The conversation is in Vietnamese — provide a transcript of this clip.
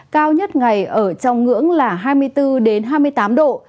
cao nhất ngày ở trong ngưỡng là hai mươi bốn hai mươi tám độ